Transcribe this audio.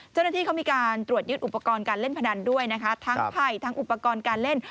เจ้าหน้าที่เขามีการตรวจยึดอุปกรณ์การเล่นพนันด้วยนะคะทั้งไผ่ทั้งอุปกรณ์การเล่น